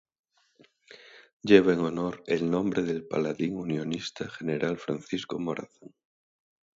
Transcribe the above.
Lleva en honor el nombre del paladín unionista General Francisco Morazán.